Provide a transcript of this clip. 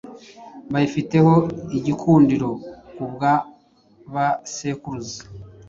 bayifiteho igikundiro ku bwa ba sekuruza: